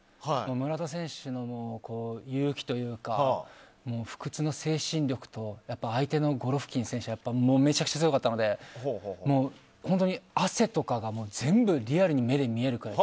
村田選手の勇気というか不屈の精神力と相手のゴロフキン選手がもうめちゃくちゃ強かったので汗とかが全部、リアルに目で見えるから。